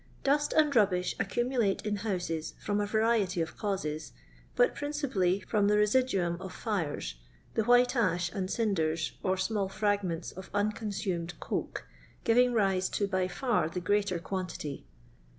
Dust and rubbish accumulate in houses from a variety of causes, but principally from the residuum of fires, the white ash and cinders, or small frag ments of unconsumed coke, giving rise to by far the greater quantity.